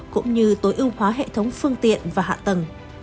cũng như tối ưu hóa hệ thống phương tiện và hạ tầng